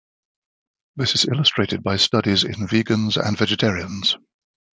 This is illustrated by studies in vegans and vegetarians.